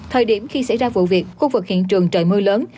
thời điểm khi xảy ra vụ việc khu vực hiện trường trời mưa lớn